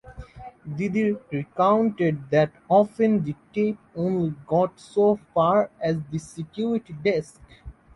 Didi recounted that often the tape only got so far as the security desk.